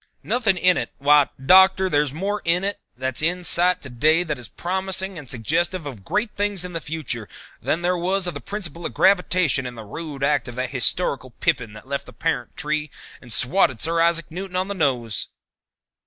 Nothing in it? Why, Doctor, there's more in it that's in sight to day that is promising and suggestive of great things in the future than there was of the principle of gravitation in the rude act of that historic pippin that left the parent tree and swatted Sir Isaac Newton on the nose."